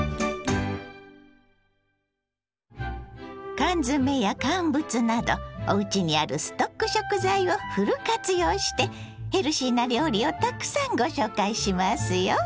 缶詰や乾物などおうちにあるストック食材をフル活用してヘルシーな料理をたくさんご紹介しますよ。